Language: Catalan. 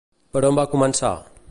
Per on va començar?